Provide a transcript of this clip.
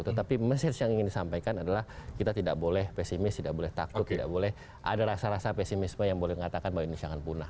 tetapi message yang ingin disampaikan adalah kita tidak boleh pesimis tidak boleh takut tidak boleh ada rasa rasa pesimisme yang boleh mengatakan bahwa indonesia akan punah